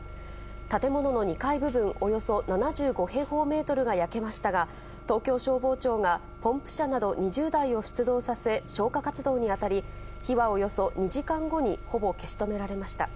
建物の２階部分およそ７５平方メートルが焼けましたが、東京消防庁が、ポンプ車など２０台を出動させ、消火活動に当たり、火はおよそ２時間後にほぼ消し止められました。